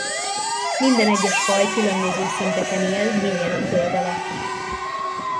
Minden egyes faj különböző szinteken él mélyen a föld alatt.